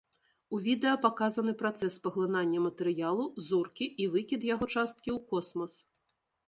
У відэа паказаны працэс паглынання матэрыялу зоркі і выкід яго часткі ў космас.